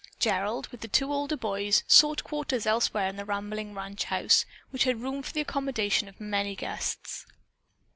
Gerald, with the two older boys, sought quarters elsewhere in the rambling ranch house, which had room for the accommodation of many guests.